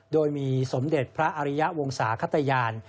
โดยมีสมเด็จพระอริยะวงศาขตยาน